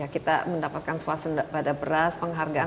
kita mendapatkan suasana pada beras penghargaan